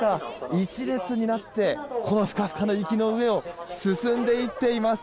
一列になってこの、ふかふかの雪の上を進んでいっています。